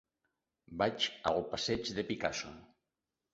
Vaig al passeig de Picasso.